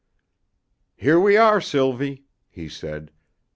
"Here we are, Sylvie," he said.